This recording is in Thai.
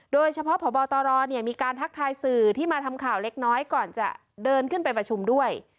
พบตรมีการทักทายสื่อที่มาทำข่าวเล็กน้อยก่อนจะเดินขึ้นไปประชุมด้วย